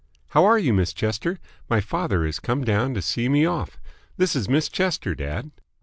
"How are you, Miss Chester? My father has come down to see me off. This is Miss Chester, dad."